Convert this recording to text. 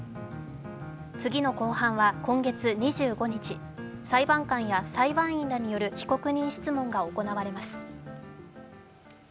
次の公判は今月２５日裁判官や裁判員らによる被告人質問が行われます。